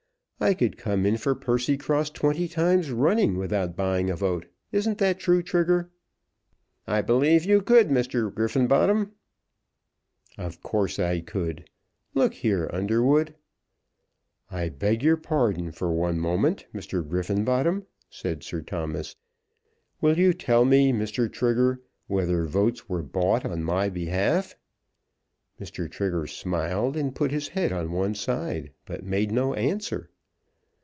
I could come in for Percycross twenty times running, without buying a vote. Isn't that true, Trigger?" "I believe you could, Mr. Griffenbottom." "Of course I could. Look here, Underwood " "I beg your pardon for one moment, Mr. Griffenbottom," said Sir Thomas. "Will you tell me, Mr. Trigger, whether votes were bought on my behalf?" Mr. Trigger smiled, and put his head on one side, but made no answer.